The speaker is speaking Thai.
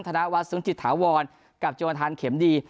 ธนวัฒน์ศูนย์จิสธาวรกับเจ้าอทานเข็มดี